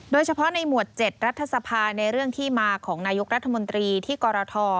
โดยเฉพาะในหมวด๗รัฐสภาในเรื่องที่มาของนายกรัฐมนตรีที่กรท